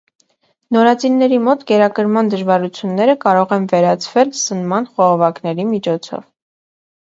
Նորածինների մոտ կերակրման դժվարությունները կարող են վերացվել սնման խողովակների միջոցով։